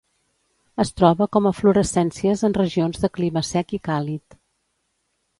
Es troba com eflorescències en regions de clima sec i càlid.